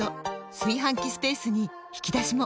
炊飯器スペースに引き出しも！